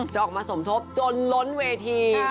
จะออกมาสมทบจนล้นเวที